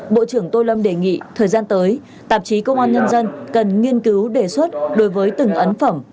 bộ trưởng tô lâm đề nghị thời gian tới tạp chí công an nhân dân cần nghiên cứu đề xuất đối với từng ấn phẩm